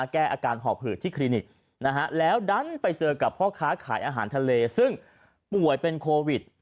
แก้อาการหอบหืดที่คลินิต